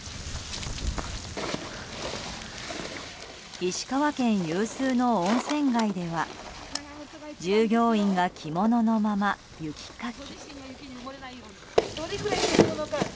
石川県有数の温泉街では従業員が着物のまま雪かき。